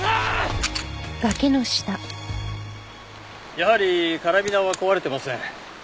やはりカラビナは壊れてません。